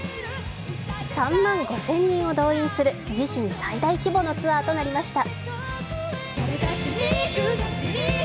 ３万５０００人を動員する自身最大規模のツアーとなりました。